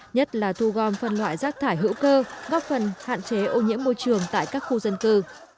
nhất là thu gom phân loại rác thải hữu cơ góp phần hạn chế ô nhiễm môi trường tại các khu dân cư